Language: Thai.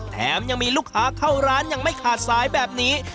แถมยังมีลูกค้าเข้าร้านยังไม่ขาดสายแบบนี้